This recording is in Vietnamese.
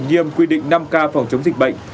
nghiêm quy định năm k phòng chống dịch bệnh